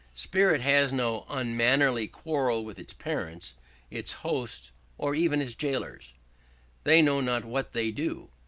Spirit has no unmannerly quarrel with its parents, its hosts, or even its gaolers: they know not what they do.